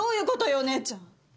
お姉ちゃん。